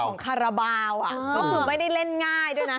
แล้วเป็นเพลงของคาราบาวอ่ะก็คือไม่ได้เล่นง่ายด้วยนะ